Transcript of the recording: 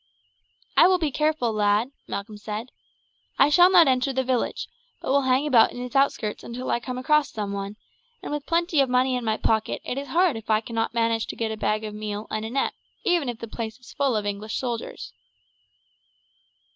"I will be careful, lad," Malcolm said. "I shall not enter the village, but will hang about in its outskirts until I come across someone, and with plenty of money in my pocket it is hard if I cannot manage to get a bag of meal and a net, even if the place is full of English soldiers."